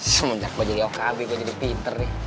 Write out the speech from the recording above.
semenjak baju diokabi gue jadi pinter ya